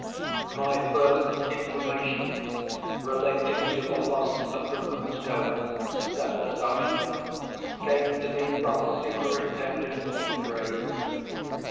"My first information relating to the loss of the Moonstone," said the Sergeant, "came to me from Superintendent Seegrave.